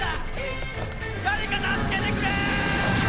誰か助けてくれーっ！